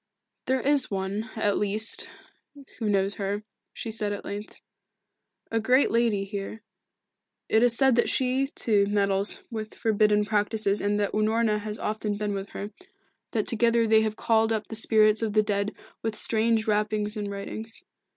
"There is one, at least, who knows her," she said at length. "A great lady here it is said that she, too, meddles with forbidden practices and that Unorna has often been with her that together they have called up the spirits of the dead with strange rappings and writings.